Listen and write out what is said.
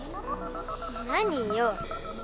何よ？